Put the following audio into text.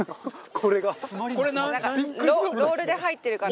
ロールで入ってるから。